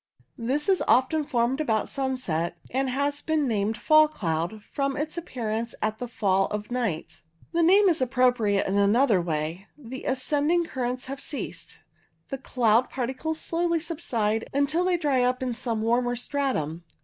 This is often formed about sunset, and has been named fall cloud, from its appearance at the fall of night. The name is appropriate in another way. The ascending currents having ceased, the cloud particles slowly subside until they dry up in some warmer stratum.